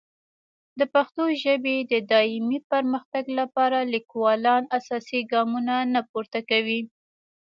د پښتو ژبې د دایمي پرمختګ لپاره لیکوالان اساسي ګامونه نه پورته کوي.